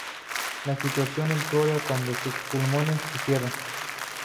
La situación empeora cuando uno de sus pulmones se cierra.